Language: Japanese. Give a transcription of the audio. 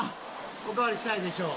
おかわりしたいでしょ？